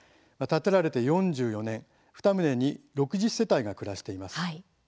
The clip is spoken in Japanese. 建てられて４４年２棟に６０世帯が暮らしています。